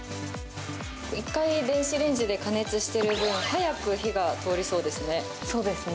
１回電子レンジで加熱してる分早く火が通りそうですね。